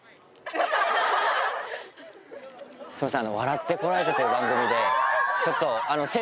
すいません。